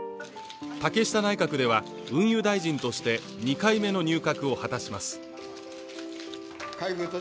竹下内閣では運輸大臣として２回目の入閣を果たします。